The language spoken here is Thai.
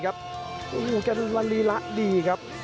กัณฐารีระดีครับ